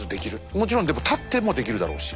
もちろんでも立ってもできるだろうし。